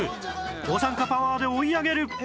抗酸化パワーで追い上げる